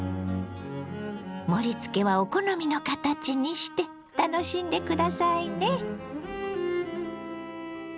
盛りつけはお好みの形にして楽しんで下さいね。